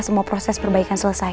semua proses perbaikan selesai